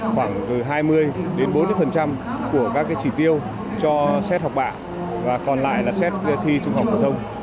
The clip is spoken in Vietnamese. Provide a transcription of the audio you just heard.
khoảng từ hai mươi đến bốn mươi của các chỉ tiêu cho xét học bạ và còn lại là xét thi trung học phổ thông